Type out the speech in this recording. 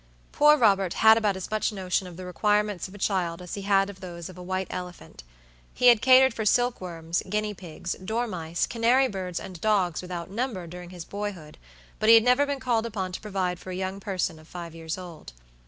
Poor Robert had about as much notion of the requirements of a child as he had of those of a white elephant. He had catered for silkworms, guinea pigs, dormice, canary birds, and dogs, without number, during his boyhood, but he had never been called upon to provide for a young person of five years old.